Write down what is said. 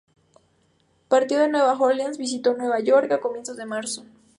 Partió de Nueva Orleans y visitó Nueva York a comienzos de marzo.